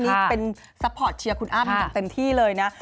อันนี้เป็นซัพพอร์ตเชียร์คุณอ้าวมันจัดเต็มที่เลยนะ